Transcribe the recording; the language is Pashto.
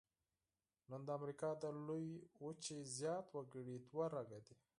نن د امریکا د لویې وچې زیات وګړي دوه رګه دي.